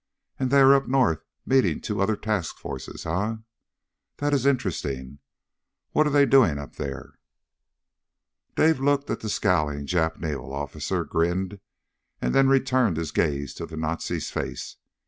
And they are up north meeting two other task forces, eh? That is interesting. What are they doing up there?" Dave looked at the scowling Jap naval officer, grinned, and then returned his gaze to the Nazi's face.